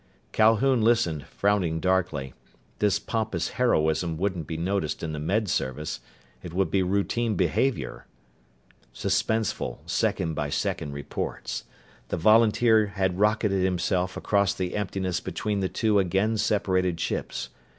Calhoun listened, frowning darkly. This pompous heroism wouldn't be noticed in the Med Service. It would be routine behavior. Suspenseful, second by second reports. The volunteer had rocketed himself across the emptiness between the two again separated ships.